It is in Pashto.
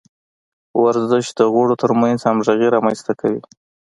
ورزش د غړو ترمنځ همغږي رامنځته کوي.